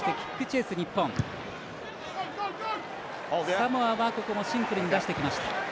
サモアは、ここもシンプルに出してきました。